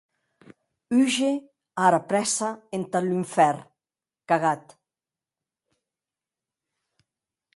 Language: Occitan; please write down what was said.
Húger ara prèssa entath lunfèrn, cagat!